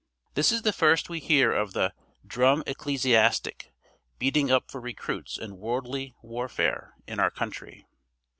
This is the first we hear of the "drum ecclesiastic" beating up for recruits in worldly warfare in our country.